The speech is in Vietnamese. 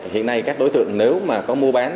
hiện nay các đối tượng nếu mà có mua bán